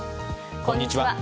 こんにちは。